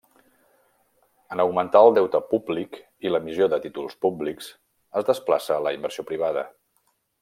En augmentar el deute públic i l'emissió de títols públics, es desplaça la inversió privada.